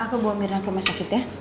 aku bawa mirna ke rumah sakit ya